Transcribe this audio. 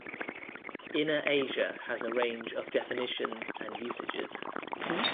"Inner Asia" has a range of definitions and usages.